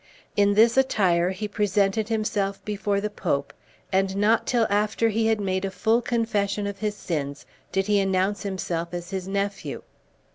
In this attire he presented himself before the Pope, and not till after he had made a full confession of his sins did he announce himself as his nephew.